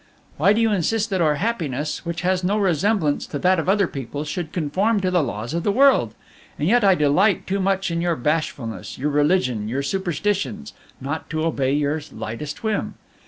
"Why do you insist that our happiness, which has no resemblance to that of other people, should conform to the laws of the world? And yet I delight too much in your bashfulness, your religion, your superstitions, not to obey your lightest whim.